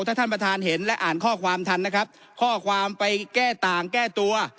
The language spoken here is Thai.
ถ้าท่านประธานเห็นและอ่านข้อความทันนะครับข้อความไปแก้ต่างแก้ตัว